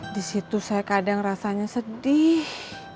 di situ saya kadang rasanya sedih